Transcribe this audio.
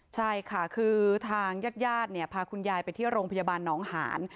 ใช่ค่ะคือทางญาติญาติพาคุณยายไปที่โรงพยาบาลหนองหาน